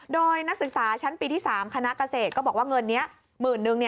โดยนักศึกษาชั้นปีที่๓คณะเกษตรก็บอกว่าเงินนี้หมื่นนึง